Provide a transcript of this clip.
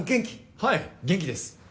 はい元気です。